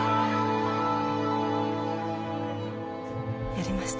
やりました。